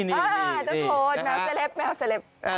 เจ้าโทนแมวเสล็บแมวเสล็บ